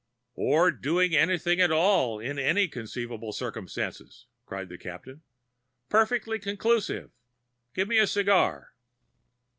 "Or doing anything at all in any conceivable circumstances?" cried the Captain. "Perfectly conclusive; give me a cigar!"